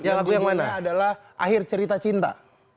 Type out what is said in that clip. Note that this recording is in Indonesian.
yang lagu yang mana yang lagunya adalah akhir cerita cinta